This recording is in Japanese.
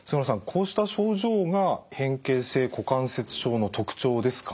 こうした症状が変形性股関節症の特徴ですか？